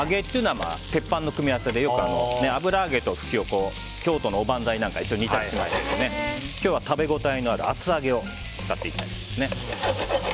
フキと揚げというのは鉄板の組み合わせでよく油揚げとフキを京都のおばんざいとかと一緒に煮たりしますけど今日は食べ応えのある厚揚げを使っていきたいと思います。